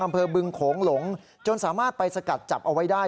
บึงโขงหลงจนสามารถไปสกัดจับเอาไว้ได้